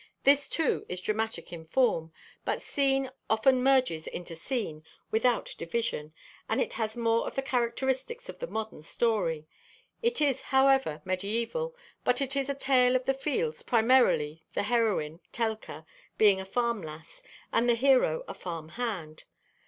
This, too, is dramatic in form, but scene often merges into scene without division, and it has more of the characteristics of the modern story. It is, however, medieval, but it is a tale of the fields, primarily, the heroine, Telka, being a farm lass, and the hero a field hand.